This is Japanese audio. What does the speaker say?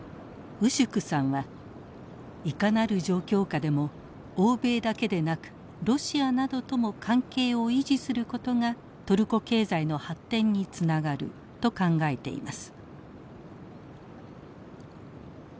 ウシュクさんはいかなる状況下でも欧米だけでなくロシアなどとも関係を維持することがトルコ経済の発展につながると考えています。